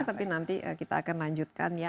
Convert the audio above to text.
tapi nanti kita akan lanjutkan ya